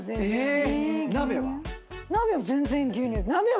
鍋全然牛乳。